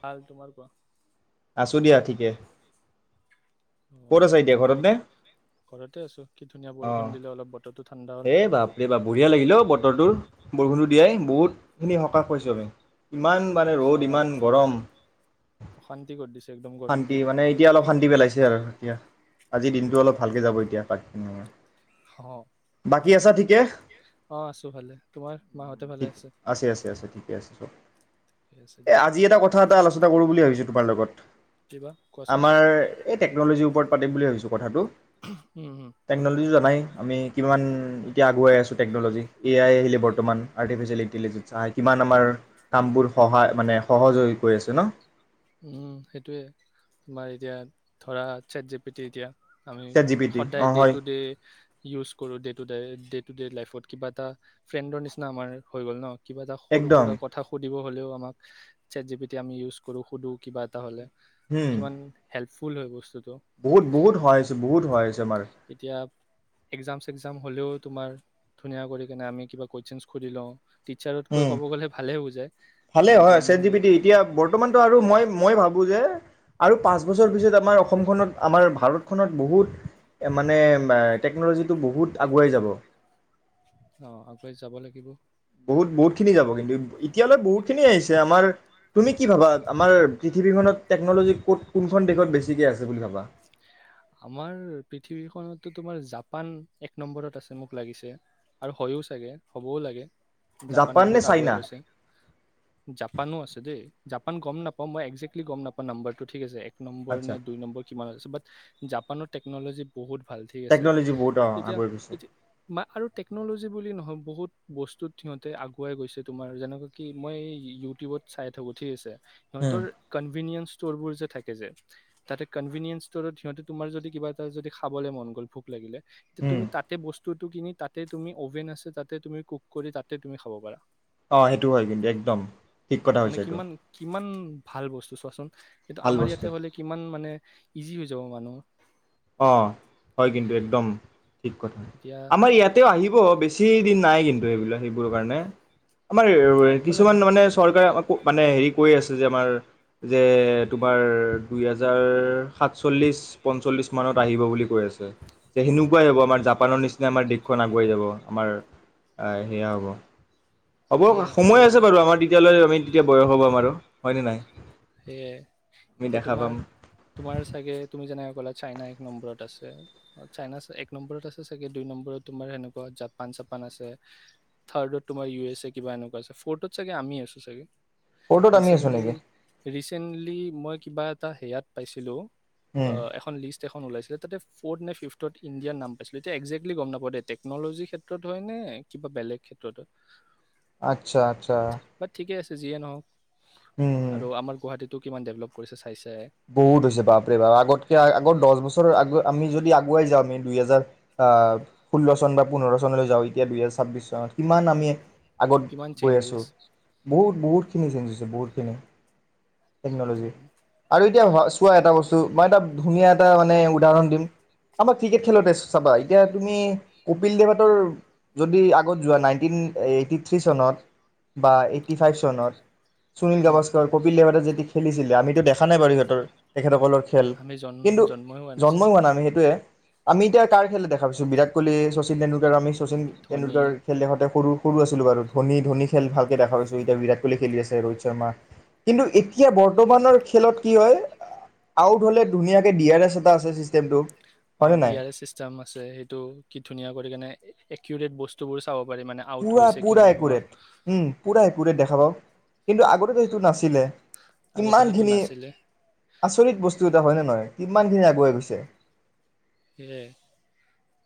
ভাল তোমাৰ কোৱা আছোঁ দিয়া ঠিকে অ ক'ত আছ এতিয়া ঘৰত বৰ নে ঘৰতে আছো কি ধুনীয়া অ বৰষুণ দিলে অলপ বতৰটো ঠাণ্ডা হ'ল এই বাপৰে বাপ বঢ়িয়া লাগিল অ বতৰটোৰ বৰষুণটো দিয়া বহুতখিনি সকাহ পাইছোঁ আমি ইমান মানে সঁচা ৰ'দ ইমান গৰম অশান্তি কৰি দিছে একদম শান্তি গৰমটোৱে মানে এতিয়া অলপ শান্তি পেলাইছে আৰু এতিয়া আজিৰ দিনটো অলপ সেইটোৱেতো ভালকৈ যাব এতিয়া পাকখিনি সময় অ বাকী আছা ঠিকে উ অ আছো ভালে তোমাৰ মাহঁতে ভালে িক আছে আছে আছে ঠিকে আছে চব ঠিক আছে এই দিয়া আজি এটা কথা এটা আলোচনা কৰো বুলি ভাবিছো তোমাৰ লগত কিবা কোৱাচোন আমাৰ এই টেকনলজিৰ পাতিম বুলি ভাবিছো কথাটো উম হম টেকনলজি জনাই আমি কিমান এতিয়া আগুৱাই আছো টেকনলজি এ আই আহিলে বৰ্তমান আৰ্টিফিচিয়াল ইণ্টেলিজেন্স কিমান আমাৰ কাম সহ মানে সহজ হৈ আছে ন উম সেইটোয়ে তোমাৰ এতিয়া ধৰা চেট জি পি টি এতিয়া আমি চেট জি পি টি সদায় অঁ ডে হয় টু ডে ইউজ কৰোঁ day to day day to day লাইফত কিবা এটা ফ্ৰেণ্ডৰ নিচিনা আমাৰ হৈ গ'ল ন কিবা এটা সৰু একদম সুৰা কথা সুধ দিব হ'লেও আমাক, ছেট জি বি টি আমি ইউজ কৰো। সোধোঁ কিবা এটা হ'লে। কিমান হেল্প ফুল হয় বস্তুটো বহুত-বহুত সহায় হৈছে বহুত সহায় হৈছে। আমাৰ এতিয়া একজাম-চেগজাম হলেও তোমাৰ ধুনীয়া কৰি কেনে আমি কিবা কুৱেচন হুধি লওঁ, টিচাৰতকৈ উম। ক'ব গ'লে ভালে বুজায় ভালে আহ, হয়, যোন চেট জি পি টি এতিয়া বৰ্তমানতো আৰু মই মই ভাবো যে আৰু পাঁচ বছৰৰ পিছত আমাৰ অসমখনত আমাৰ ভাৰতখনত বহুত মানে টেকন'লজিটো বহুত আগুৱাই যাব। অ আগুৱাই যাব লাগিব। বহুত-বহুত খিনি যাব কিন্তু, এতিয়ালৈ বহুত খিনি আহিছে। আমাৰ তুমি কি ভাবা আমাৰ পৃথিৱীখনত টেকন'লজি ক'ত, কোনখন দেশত বেছিকৈ আছে বুলি ভাবা? আমাৰ পৃথিৱীখনততো তোমাৰ জাপান এক নম্বৰত আছে মোক লাগিছে আৰু হয়ও চাগে, হ'বও লাগে। জাপান নে বহুত আগুৱাই চাইনা? গৈছে। জাপানো আছে দেই, জাপান গম নাপাও, মই একজেক্লি গম নাপাও নাম্বৰ টো ঠিক আছে এক এক নম্বৰ নে আচ্ছা দুই নম্বৰ কিমান আছে বাত জাপানৰ টেকন'লজি বহুত ভাল ঠিক আছে। টেকন'লজি বহুত অ এতিয়া আগৰ পিছে এটি মা আৰু টেকনলজি বুলি নহয় বহুত বস্তুত সিহঁতে আগুৱাই গৈছে তোমাৰ যেনেকুৱা কি মই ইউটিউবত চাই থাকো ঠিক আছে, উম সিহঁতৰ কনভিনিয়েন্ঞ্চ ষ্টৰবোৰ যে থাকে যে, তাতে কনভিনিয়েস ষ্টৰত সিহঁতে তুমাৰ যদি কিবা এটা যদি খাবলৈ মন গ'ল, ভোক লাগিলে উম তুমি তাতে বস্ত টো কিনি তাতে তুমি অভেন আছে তাতে তুমি কুক কৰি তাতে তুমি খাব পাৰা। অ সেইটো হয় কিন্তু, একদম, ঠিক কথা মানে হৈছে এইটো। কিমান কিমান ভাল বস্তু চোৱাচোন? কিন্তু ভাল আমাৰ ইয়াতে বস্তু। হ'লে কিমান মানে ইজি হৈ যাব মানুহ। অ, হয় কিন্তু, একদম। ঠিক কথা। এতিয়া আমাৰ ইয়াতেও আহিব বেছি দিন নাই কিন্তু সেইবিলাক সেইবোৰৰ কাৰণে। আমাৰ আৰু এ আহিব লাগে কিছুমান মানে চৰকাৰে আ মানে হেৰি কৈ আছো জানা তোমাৰ দুইহেজাৰ সাচ্ছল্লিশ পঞ্চলিছ মানত আহিব বুলি কৈ আছে যে সেনেকুৱাই হ'ব আমাৰ জাপানৰ নিচিনা আমাৰ দেশখন আগুৱাই যাব আমাৰ সেয়া হ'ব হ'ব সেয়াই সময় আছে লাগে বাৰু আমাৰ তেতিয়ালৈ আমি তেতিয়া বয়স হ'ব আমাৰো হয় নে নাই সেয়াই আমি এতিয়া দেখা তোমাৰ পাম তোমাৰ চাগে তুমি যেনেকে ক'লা চাইনা এক নম্বৰত আছে চাইনাচ এক নম্বৰত আছে চাগে দুই নম্বৰত তোমাৰ সেনেকুৱা জাপান চাপান আছে থাৰ্ডত তোমাৰ ইউ এছ এ কিবা এনেকুৱা আছে ফৰ্থত চাগে আমি আছো চাগে সেইটোত আমি আছো ৰিচেণ্টলি নেকি ৰিচেণ্টলি মই কিবা এটা হেয়াত পাইছিলোঁ অ উম এখন লিষ্ট এখন ওলাইছিলে তাতে ফ'ৰ্থ নে ফিফত ইণ্ডিয়াৰ নাম পাইছিলো এতিয়া একজেক্টলি গম নাপওঁ দেেই টেকন'লজিৰ ক্ষেত্ৰত হয় নে কিবা বেলেগ ক্ষেত্ৰত হয় আচ্ছা আচ্ছা বাট বাট ঠিকে আছে যিয়ে নহওক উম। আৰু আমাৰ গুৱাহাটীত কিমান ডেভেলপ কৰিছে চাইছে বহুত হৈছে বাপৰে বাপ আগতকে আগত দহ বছৰৰ আগ আমি যদি আগুৱাই যাওঁ আমি দুই হেজাৰ আহ ষোল্ল চন বা পোন্ধৰ চনলৈ যাওঁ এতিয়া দুহেজাৰ ছাব্বিশ চনত কিমান আমি আগত কিমান গৈ চেঞ্জেছ আছোঁ বহুত বহুতখিনি চেঞ্জ হৈছে বহুতখিনি টেকনলজী আৰু এতিয়া চোৱা এটা বস্তু মই এটা ধুনীয়া এটা মানে উদাহৰণ দিম আমাক ঠিক আছে চিলেবেছ চাবা এতিয়া তুমি কপিল দেৱঁতৰ যদি আগত যোৱা নাইনটিন এইটি থ্ৰী চনত বা এইটি ফাইভ অঁ চনত সুনীল উম, গাৱাস্কৰ কপিল দেব যদি খেলিছিলে আমিতো দেখা থানে বাৰীহঁতৰ তেখেতসকলৰ খেল আমি জন কিন্তু জন্মই জন্মই নাছিলোঁ হোৱা নাই আমি সেইটোৱে আমি এতিয়া কাৰ খেল দেখা পাইছো বিৰাট কহলি শচীন তেণ্ডুলকাৰ আমি শচীন ধনী তেণ্ডুলকাৰ খেল দেখা পাই সৰু সৰু আছিলো বাৰু ধনী ধনী খেল ভালকে দেখা পাইছো এতিয়া বিৰাট কোহলি খেলি আছে ৰোহিত শৰ্মা কিন্তু এতিয়া বৰ্তমানৰ খেলত কি হয় আউট হলে ধুনীয়াকে ডি আৰ এছ এটা আছে চিষ্টেমটো অ হয়নে ডি নাই আৰ এ চিষ্টেম আছে সেইটো কি ধুনীয়া কৰি কেনে একুৰেট বস্তুবোৰ চাব পাৰি মানে আউট পুৰা হৈছে কি পুৰা নাই হোৱা একুৰেট উম পুৰা একুৰেট দেখা পাও কিন্তু আগতেতো সেইটো নাছিলে আগতে সেইটো ইমানখিনি নাছিলে আচৰিত বস্তু এটা হয়নে নহয়। কিমানখিনি আগুৱাই গৈছে। সেয়াই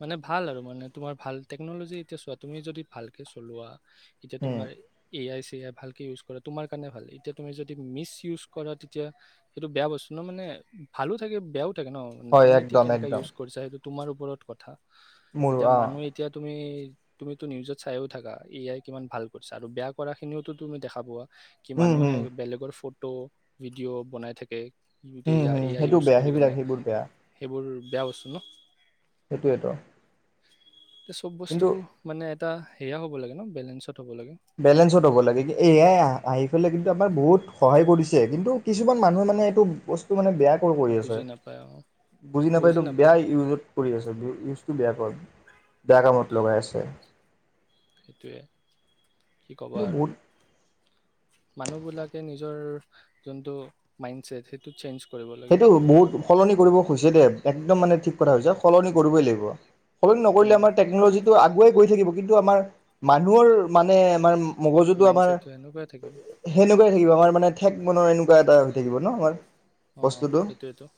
মানে ভাল আৰু মানে তোমাৰ ভাল টেকনলজি এতিয়া চোৱা তুমি যদি ভালকে চলোৱা। এতিয়া উম তোমাৰ এ আই চি আই ভাল। ইউজ কৰা তোমাৰ কাৰণে ভাল এতিয়া তুমি যদি মিচ ইউজ কৰা তেতিয়া সেইটো বেয়া বস্তু ন মানে ভালো থাকে বেয়াও। ন হয় তুমি এতিয়া একদম কেনেকা একদম ইউজ। সেইটো তোমাৰ ওপৰত কথা। মোৰো এতিয়া অ মানুহ এতিয়া তুমি। তুমিটো নিউজত চাইও থাকা এ আই কিমান ভাল কৰিছা আৰু বেয়া কৰা খিনিওতো তুমি দেখা পোৱা। কি উম মানুহে হম বেলেগৰ ফু ফটো ভিডিঅ' বনাই থাকে। হম য়া হম এ আই সেইটো ইউজ বেয়া কৰি সেইবিলাক কেনে সেইবোৰ বেয়া সেইবোৰ, ব্যাউচ্। [unintelligible] সেইটোৱেতো। এ চব বস্তু মানে। এটা সেয়া হ'ব লাগে ন বেলেঞ্চত। হ'ব লাগে বেলেঞ্চত হ'ব লাগে কি এয়াই আহি পেলাই কিন্তু। আমাৰ বহুত সহায় কৰিছে কিন্তু কিছুমান মানুহে মানে এইটো বস্তু মানে। বেয়াক কৰি আছে বুজি নাপায় অ বুজি নাপায়তো বেয়া ইউজত কৰি আছে। বে বেয়া কামত লগাই আছে। সেইটোৱে। কি কবা কিন্তু আৰু। বহুত মানুহ বিলাকে নিজৰ যোনটো মাইনডছেট সেইটো চেঞ্জ। কৰিব লাগে সেইটো বহুত সলনি কৰিব খুজিছে দে একদম মানে ঠিক। কথা হৈছে সলনি কৰিবই লাগিব। সলনি নকৰিলে উম আমৰ টেকন'লজী টো আগুৱাই। কৰি থাকিব কিন্তু আমাৰ মানুহৰ মানে আমাৰ। মগজুতটো আমাৰ মাইণ্ডছেটটো সেনেকুৱাই থাকিব সেনেকুৱাই। থাকিব আমাৰ মানে ঠেক মনৰ এনেকুৱা এটা হৈ থাকিব ন আমাৰ। অঁ সেইটোৱেতো।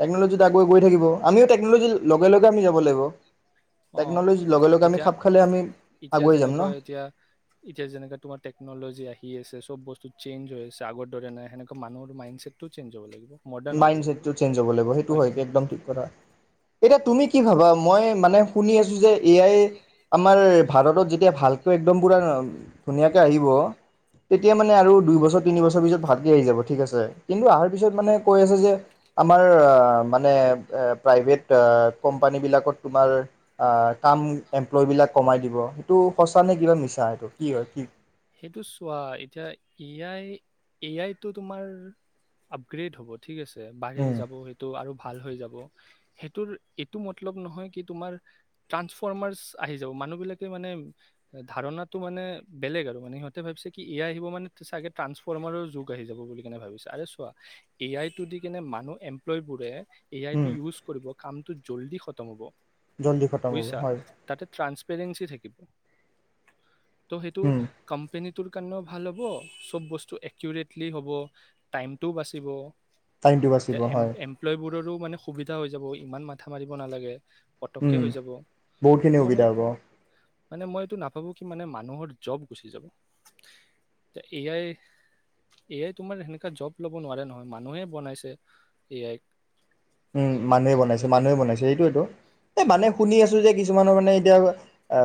টেকন'লজীত আগুৱাই গৈ থাকিব আমিও টেকন'লজী লগে লগে আমি যাব লাগিব। অ টেকন'লজিৰ লগে লগে আমি এতিয়া খাপ খালে আমি এতিয়া আগুৱাই যাম যেনেকুৱা ন এতিয়া এতিয়া যেনেকা তোমাৰ টেকন'লজি আহি। কি আছে চব বস্তু চেঞ্জ হৈ আছে আগৰ দৰে নাই সেনেকুৱা মানুহৰ মাইণ্ডচছেটটো চেঞ্জ হ'ব লাগিব। মডাৰ্ণ হ'ব লাগিব মাইডট চেঞ্জ হ'ব লাগিব সেইটো হয় কি নাই একদম ঠিক কথা এতিয়া তুমি কি ভাবা মই মানে শুনি আছোঁ যে এয়াই আমাৰ ভাৰতত যেতিয়া ভালকৈ একদম পূৰা ধুনীয়াকৈ আহিব তেতিয়া মানে আৰু দুইবছৰ তিনিবছৰ পিছত ভালকৈ আহি যাব ঠিক আছে কিন্তু অহাৰ পিছত মানে কৈ আছে যে আমাৰ মানে প্ৰাইভেট কোম্পানী বিলাকত তোমাৰ কাম এমপ্লয় বিলাক কমাই দিব সেইটো সঁচা নে কিবা মিছা সটো কি হয় কি সেইটো চোৱা এতিয়া এ আই এ আইতটো তোমাৰ আপগ্ৰেড হ'ব ঠিক আছে বাঢ়ি উম যাব সেইটো আৰু ভাল হৈ যাব সেইটো এইটো মলব নহয় কি তোমাৰ ট্ৰানফৰমাৰ্চ আহি যাব মানুহ বিলাকে মানে ধাৰণটো মানে বেলেগ আৰু মানে সিহঁতে ভাবিছে কি এ আই আহিব মানে চাগে ট্ৰা্ঞ্চফৰ্মাৰৰ যুগ আহি যাব বুলি কেনে ভাবিছে আৰে চোৱা এ আইটো দি কেনে মানুহ এমপ্লয়বোৰে এ আই টো উম ইউজ কৰিব কামটো জল্দি খতম হ'ব জল্দি খটাম হব হয় েংি থাকিব [unintelligible] ত' সেইটো উম কোম্পেনীটোৰ কাৰণেও ভাল হ'ব চব বস্তু একিউৰেটলি হ'ব টাইমটোও বাচিব টাইমটো এ বাচিব হয় এমপ্লয় বোৰৰো মানে সুবিধা হৈ যাব ইমান মাথা মাৰিব নালাগে পতককে উম হৈ যাব বহুতখিনি ত মানে সুবিধা হ'ব মানে মই এইটো নাভাবো কি মানে মানুহৰ জব গুচি যাব ত এ আই এ আই তোমাৰ সেনেকা জব লব নোৱাৰে নহয় মানুহে বনাইছে এ আইক উম মানুহে বনাইছে হয় কিনা মানুহে বনাইছে হেইটোৱেটো এ মানে শুনি আছো যে কিছুমানৰ মানে এতিয়া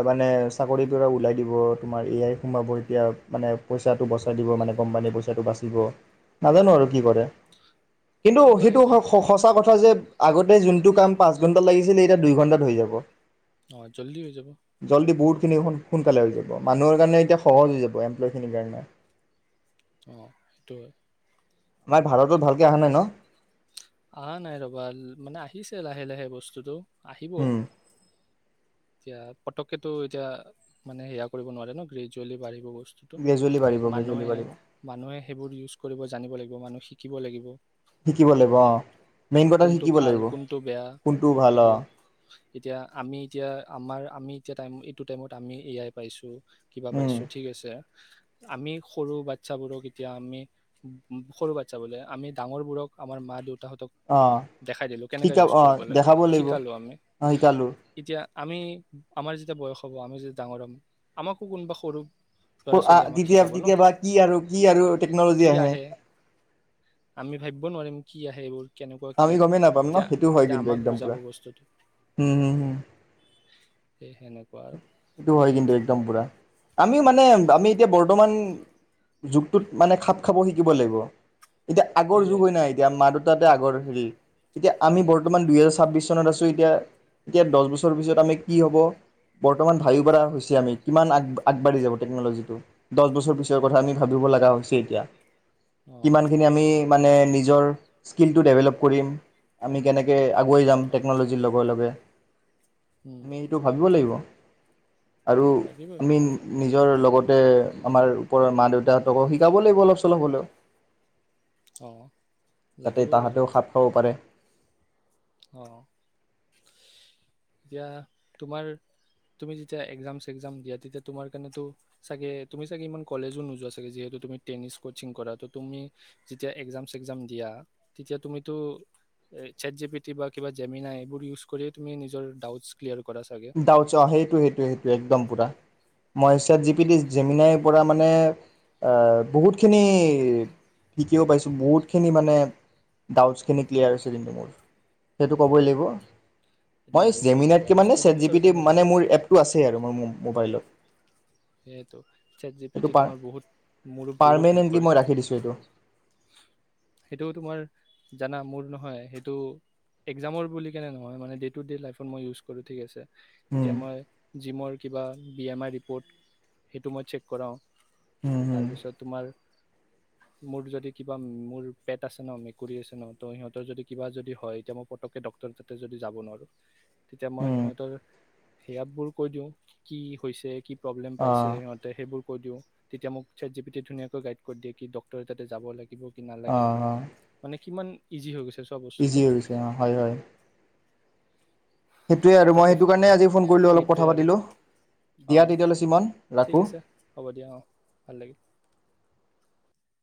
মানে চাকৰিৰ পৰা ওলাই দিব তোমাৰ এ আই সোমাব এতিয়া মানে পইচাটো বচাই দিব মানে কোম্পানীৰ পইচাটো বাচিব নাজানো আৰু কি কৰে কিন্তু কি বা সেইটো এতিয়া সঁচা কথা ক যে আগতে যোনটো কাম পাঁচ ঘণ্টা লাগিছিল এটা দুই ঘণ্টা হৈ যাব অ জল্দি হৈ যাব জল্দি বহুতখিনি সোনকালে হৈ যাব মানুহৰ কাৰণে এতিয়া সহজ হৈ যাব এমপ্লয়খিনিৰ কাৰণে অ সেইটোৱে আমাৰ ভাৰতত ভালকৈ অহা নাই ন অহা নাই ৰবা মানে আহিছে লাহে লাহে বস্তুটো আহিব উম এতিয়া পতককেতটো এতিয়া মানে সেয়া কৰিব নোৱাৰে ন গ্ৰেজুৱেলি গ্ৰেজুৱেলি বাঢ়িব বাঢ়িবৈ গ্ৰেজুৱেলি মানুহে বাঢ়িব মানুহে সেইবোৰ ইউজ কৰিব জানিব লাগিব মানুহ শিকিব লাগিব শিকিব লাগিব অঁ মেইন কথা কোনটো শিকিব ভাল লাগিব কোনটো বেয়া কোনটো ভাল অঁ সেইবোৰ এতিয়া আমি এতিয়া আমাৰ আমি এতিয়া টাইম এইটো টাইমত আমি এয়াই পাইছোঁ কিবা উম পাইছো ঠিক আছে আমি সৰু বাচ্ছাবোৰক এতিয়া আমি সৰু বাচ্ছা বোলে আমি ডাঙৰ বোৰক আমাৰ মা দেউ তাহঁতক অ দেখাই দিলোঁ কেনেকৈ শিকাব ইউজ অ কৰিব লাগে দেখাব লাগিব শিকালোঁ আমি অ শিকালো এতিয়া আমি আমাৰ যেতিয়া বয়স হ'ব আমি যেতিয়া ডাঙৰ হম আমাকো কোনোবা সৰু ল'ৰা ছোৱালী আমাক তেতিয়া শিকাব ন তেতিয়াবা কি আৰু কি আৰু টেকনলজি আহে আমি ভাবিব নোৱাৰিম কি আহে এইবোৰ কেনেকুৱা কি আমি গমেই নাপাম ন এতিয়া সেইটো হয় তেতিয়া কিন্তু আমাক একদম বুজাব পুৰা বস্তুটো হম হম হম সেই সেনেকুৱা আৰু সেইটো হয় কিন্তু একদম পুৰা আমিও মানে আমি এতিয়া বৰ্তমান যুগটোত মানে খাপ খাব শিকিব লাগিব এতিয়া আগৰ যুগ সেয়াই হয় নাই এতিয়া মাৰত তাতে আগৰ হেৰি এতিয়া আমি অঁ বৰ্তমান দুহেজাৰ ছাব্বিছ চনত আছোঁ এতিয়া এতিয়া দহ বছৰৰ পিছত আমি কি হব বৰ্তমান ভাবি পৰা় হৈছে আমি কিমান আগবাঢ়ি যাব টেকন'লজিটো দহ বছৰ পিছৰ কথা আমি ভাবিব লগা হৈছে এতিয়া অঁ কিমান খিনি আমি মানে নিজৰ স্কিলটো ডেভেলপ কৰিম আমি কেনেকে আগুৱাই যাম অভিয়াচ টেকনলজিৰ লগে লগে আমি এইটো ভাবিব লাগিব আৰু লাগিবই আইমিন নিজৰ লগতে আমাৰ ওপৰৰ মা দেউতাহঁতকো শিকাব লাগিব অলপ চলপ হ'লেও অঁ যাতে লাগিব তাহতেও সাপ খাব পাৰে অ এতিয়া তোমাৰ তুমি যেতিয়া এক্জাম চগজাম দিয়া তেতিয়া তুমি যেতিয়া এক্জাম চেকজাম দিয়া তেতিয়া কাৰনেতো চাগে তুমি চাগে ইমান কলেজো নোযোৱাাগে যিহেতুুি টেনি কচিং কৰা তুমি যেতিয়া চাম দিয়া তেতিয়া তুম কিবা কিবা জেমনাই এইবোৰ ইউজ কৰিয় তুমি নিজৰ ডাউটছ্লিয়াৰ দাউ সেইটো সেইটো সেইটো একদম পুৰা মইছাত জি পি ডি জেমিনাইৰ পৰা মানে বহুতখিনি শিকিও পাইছোঁ বহুতখিনি মানে ডাউটছখিনি ক্লিয়াৰ হৈছে কিন্তু মোৰ সেইটো ক'বই লাগিব এইটো মই মানিব লাগিব জেমিনাৰক আৰু মানে আ জি ষ্টুডেন্টছৰ পি টি কাৰণে ভাল মানে মোৰ হৈছে এপটো আছে আৰু মোৰ মোবাইলত সেইটো চট জি পি এইটো টি পাৰ তোমাৰ বহুত মোৰো বহুত হেল্প পাৰমানেণ্টলি মই কৰিছে ৰাখি দিছোঁ এইটো সেইটোও তোমাৰ জানা মোৰ নহয় সেইটো এক্জামৰ বুলি কেনে নহয় মানে লাইফত মই ইউজ কৰো ঠিক আছে উম, এতিয়া মই জিমৰ কিবা বি এম আই ৰিপৰ্ট সেইটো মই চেক কৰাওঁ উম, উম, তাৰপিছত তোমাৰ মোৰ যদি কিবা মোৰ পেট আছে ন অমে আছে ন ত সিহঁতৰ যদি কিবা যদি হয় এতিয়া মই পতকে ডক্টৰ তাতে যদি যাব নোৱাৰো তেতিয়া মই উম, সিহঁতৰ সেয় বোৰ কৈ দিওঁ কি হৈছে কি প্ৰব্লেম পাইছে অ'। সিহঁতে সেইবোৰ তেতিয়া মোক চি পি ধুনীয় গাইড কৰি দিয়ে কি ডক্টৰে তাতে যাব নিদিব অ', নালাগে অ', মানে কিমান ইজি হৈ গৈছে চোৱা বস্তুটো ইজি গৈছে অঁ হয় হয় সেইটোৱে আৰু মই তাকো সেইটো কাৰণে আজি ফোন কৰিলোঁ অলপ ফ্ৰীতে কথা আৰু পাতিলোঁ অ দিয়া তেতিয়ালৈ সিমান ঠিক ৰাখোঁ আছে হ'ব দিয়া অ ভাল লাগিল